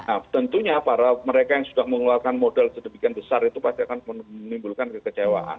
nah tentunya para mereka yang sudah mengeluarkan modal sedemikian besar itu pasti akan menimbulkan kekecewaan